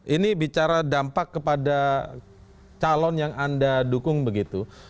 ini bicara dampak kepada calon yang anda dukung begitu